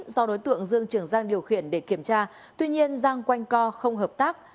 do đối tượng dương trường giang điều khiển để kiểm tra tuy nhiên giang quanh co không hợp tác